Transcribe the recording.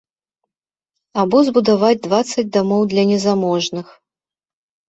Або збудаваць дваццаць дамоў для незаможных.